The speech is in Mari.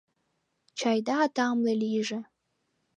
Чайда тамле лийже!